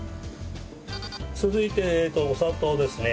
続いてお砂糖ですね。